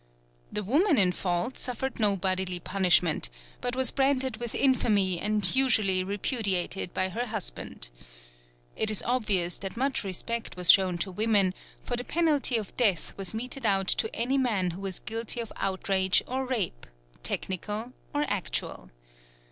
The woman in fault suffered no bodily punishment, but was branded with infamy and usually repudiated by her husband. It is obvious that much respect was shown to women, for the penalty of death was meted out to any man who was guilty of outrage or rape, technical or actual.